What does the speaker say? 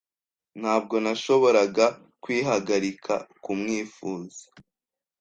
Ntabwo nashoboraga kwihagarika kumwifuza.